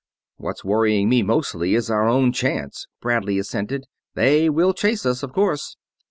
"What's worrying me mostly is our own chance," Bradley assented. "They will chase us, of course."